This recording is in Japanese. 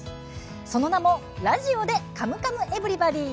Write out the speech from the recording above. その名も「ラジオで！カムカムエヴリバディ」。